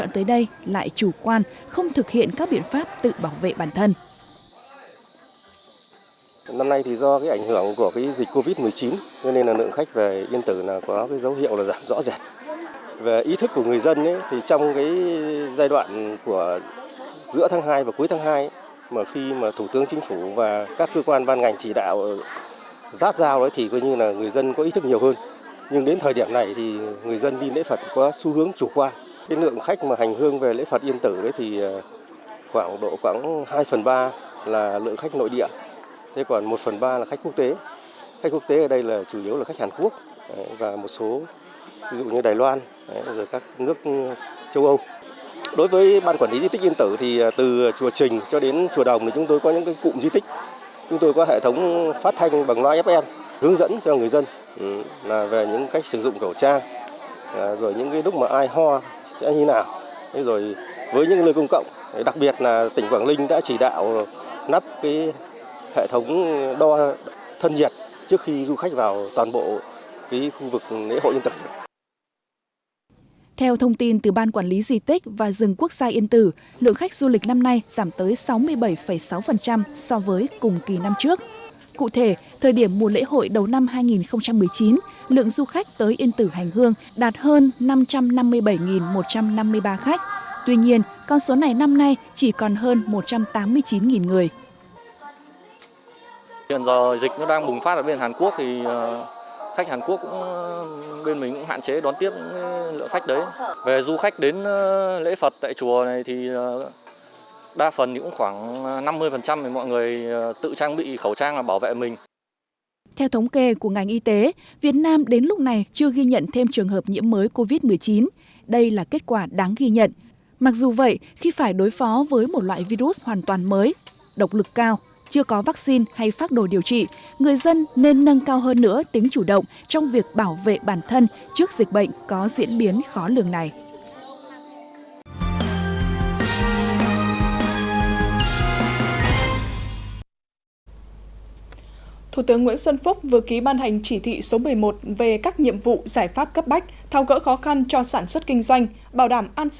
thủ tướng nguyễn xuân phúc vừa ký ban hành chỉ thị số một mươi một về các nhiệm vụ giải pháp cấp bách thao gỡ khó khăn cho sản xuất kinh doanh bảo đảm an sinh xã hội ứng phó với dịch covid một mươi chín